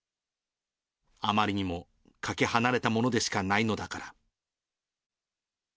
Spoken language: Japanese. あまりにもかけ離れたものでしかないのだから。